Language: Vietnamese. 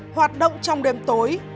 hoạt động trong đêm tối